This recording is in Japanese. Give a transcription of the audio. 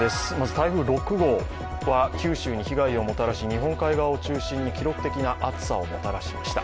台風６号は九州に被害をもたらし、日本海側を中心に記録的な暑さをもたらしました。